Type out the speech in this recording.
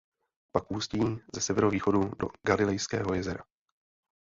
Pak ústí ze severovýchodu do Galilejského jezera.